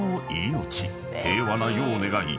［平和な世を願い